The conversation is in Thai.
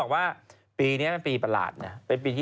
ปลาหมึกแท้เต่าทองอร่อยทั้งชนิดเส้นบดเต็มตัว